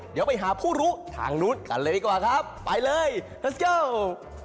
เดี๋ยวไปหาผู้รู้ทางนู้นกันเลยก่อนครับไปเลยเริ่มกัน